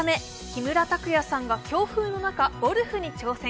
木村拓哉さんが強風の中、ゴルフに挑戦。